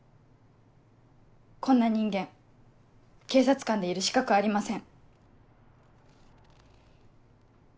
こんな人間警察官でいる資格ありません。